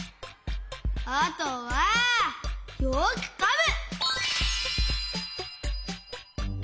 あとはよくかむ！